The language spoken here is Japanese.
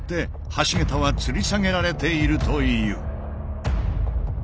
橋桁はつり下げられているという。